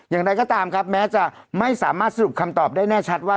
อย่างไรก็ตามครับแม้จะไม่สามารถสรุปคำตอบได้แน่ชัดว่า